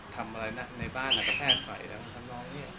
ทำอะไรในบ้านก็แทกไสให้เดิน